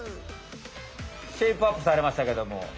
シェイプアップされましたけども。